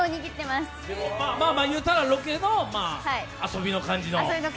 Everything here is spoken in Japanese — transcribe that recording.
まあ言うたらロケの遊びの感じの？